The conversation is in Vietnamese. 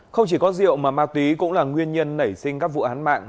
không chỉ có rượu mà ma túy cũng là nguyên nhân nảy sinh các vụ án mạng